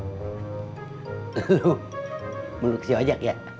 lu meluk si ojak ya